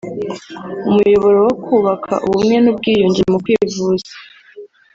umuyoboro wo kubaka ubumwe n’ubwiyunge mu kwivuza